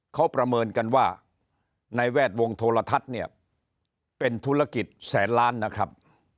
เขาประเมินกันว่าในแวดวงโทรทัศน์เนี่ยเป็นธุรกิจแสนล้านนะครับ